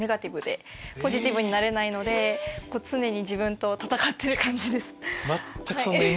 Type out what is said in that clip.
ポジティブになれないので常に自分と闘ってる感じです。